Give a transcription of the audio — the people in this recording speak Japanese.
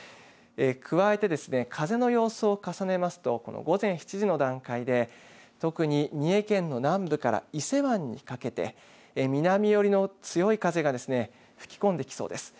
加えて風の様子を重ねますとこの午前７時の段階で特に三重県の南部から伊勢湾にかけて南寄りの強い風が吹き込んできそうです。